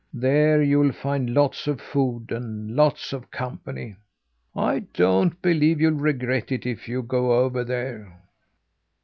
There you'll find lots of food and lots of company. I don't believe you'll regret it, if you go over there."